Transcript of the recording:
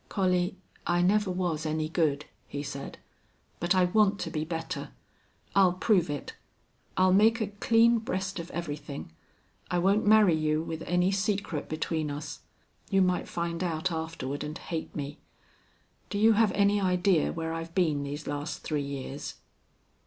"Collie, I never was any good," he said. "But I want to be better. I'll prove it. I'll make a clean breast of everything. I won't marry you with any secret between us. You might find out afterward and hate me.... Do you have any idea where I've been these last three years?"